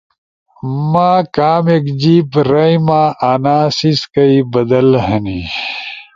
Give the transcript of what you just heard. ما کامیک جیِب رائما انا سیسکئی بدل ہنی